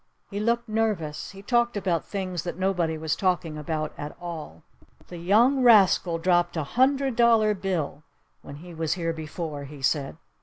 He looked nervous. He talked about things that nobody was talking about at all. "The young rascal dropped a hundred dollar bill when he was here before!" he said.